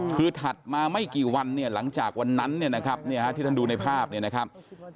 คือถัดมาไม่กี่วันหลังจากวันนั้นที่ท่านดูในภาพนะครับ